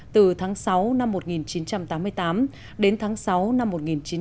từ tháng sáu năm một nghìn chín trăm tám mươi tám đến tháng sáu năm một nghìn chín trăm bảy mươi